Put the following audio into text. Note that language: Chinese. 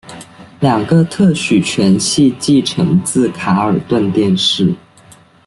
两个特许权系继承自卡尔顿电视。